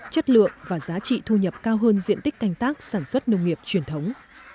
chất lượng và giá trị thu nhập cao hơn diện tích canh tác sản xuất nông nghiệp truyền thống